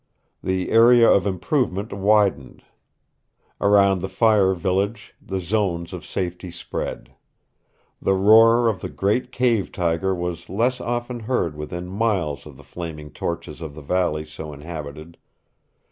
The area of improvement widened. Around the Fire Village the zone of safety spread. The roar of the great cave tiger was less often heard within miles of the flaming torches of the valley so inhabited.